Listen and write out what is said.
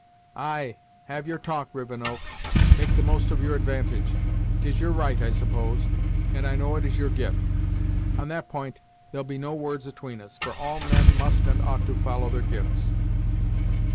"Ay, have your talk, Rivenoak; make the most of your advantage. 'Tis your right, I suppose, and I know it is your gift. On that p'int there'll be no words atween us, for all men must and ought to follow their gifts.